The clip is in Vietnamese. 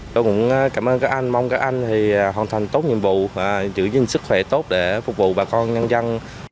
tôi cũng cảm ơn các anh mong các anh thì hoàn thành tốt nhiệm vụ giữ gìn sức khỏe tốt để phục vụ bà con nhân dân